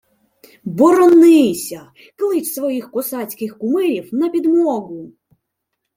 — Боронися! Клич своїх косацьких кумирів на підмогу!